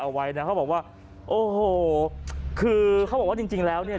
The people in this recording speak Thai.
เอาไว้นะเขาบอกว่าโอ้โหคือเขาบอกว่าจริงจริงแล้วเนี่ย